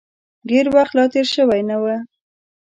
ډېر وخت لا تېر شوی نه و.